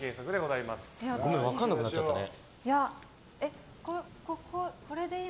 ごめん分かんなくなっちゃったね。